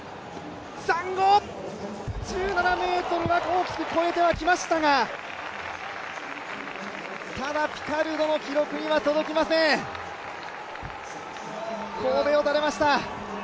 １７ｍは大きく越えてはきましたがただ、ピカルドの記録には届きません、こうべを垂れました。